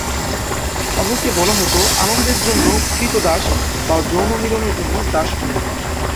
তাদেরকে বলা হত "আনন্দের জন্য ক্রীতদাস" বা "যৌন মিলনের জন্য দাস-মেয়ে"।